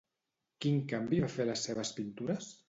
Quin canvi va fer a les seves pintures?